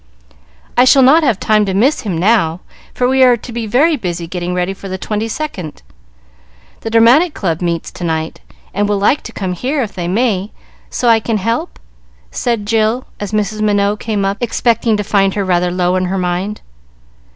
"I shall not have time to miss him now, for we are to be very busy getting ready for the Twenty second. The Dramatic Club meets to night, and would like to come here, if they may, so I can help?" said Jill, as Mrs. Minot came up, expecting to find her rather low in her mind.